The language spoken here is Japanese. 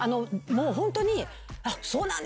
ホントに「そうなんですか！」